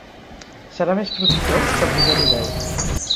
Serà més profitós que els hi doni veu.